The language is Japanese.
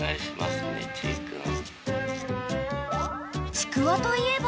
［ちくわといえば］